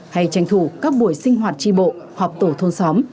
hay tranh thủ các buổi sinh hoạt tri bộ họp tổ thôn xóm